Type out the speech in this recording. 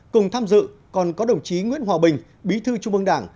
cùng tham dự còn có đồng chí nguyễn hòa bình bí thư trung ương đảng